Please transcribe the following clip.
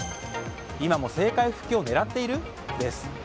今も政界復帰を狙っている？です。